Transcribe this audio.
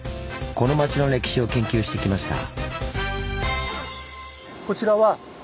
この町の歴史を研究してきました。